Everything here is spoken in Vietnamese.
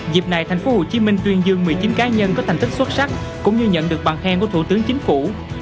dịp này tp hcm tuyên dương một mươi chín cá nhân có thành tích xuất sắc cũng như nhận được bằng khen của thủ tướng chính phủ